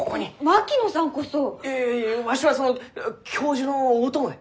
いやいやいやわしはその教授のお供で。